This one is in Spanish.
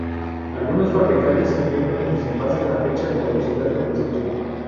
Algunos fabricantes imprimen en los envases la fecha de caducidad del producto.